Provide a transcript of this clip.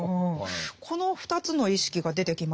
この２つの意識が出てきましたよね。